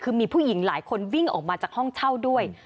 คือมีผู้หญิงหลายคนวิ่งออกมาจากห้องเช่าด้วย